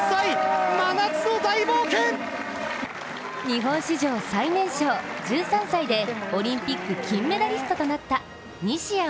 ＪＴ日本史上最年少１３歳でオリンピック金メダリストとなった西矢椛。